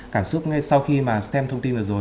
cảm xúc ngay sau khi mà xem thông tin vừa rồi